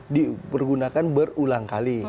dipergunakan berulang kali